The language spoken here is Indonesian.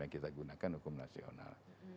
yang kita gunakan hukum nasional